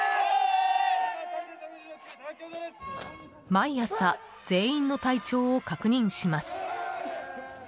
毎朝、全員の体調を確認します。